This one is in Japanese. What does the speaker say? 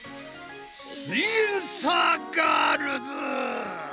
すイエんサーガールズ！